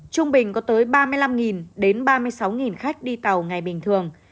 trung bình có tới ba mươi năm đến ba mươi sáu khách đi tàu ngày bình thường